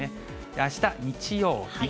あした日曜日。